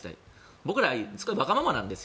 僕らすごくわがままなんですよ。